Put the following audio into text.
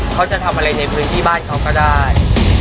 เขาจะทำอะไรในพื้นที่บ้านเขาก็ได้